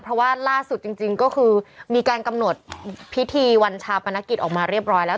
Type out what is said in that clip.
เพราะว่าล่าสุดจริงก็คือมีการกำหนดพิธีวันชาปนกิจออกมาเรียบร้อยแล้ว